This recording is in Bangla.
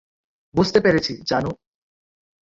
বুঝতে পেরেছি, জানু!